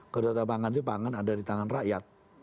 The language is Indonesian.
kedaulatan pangan itu pangan ada di tangan rakyat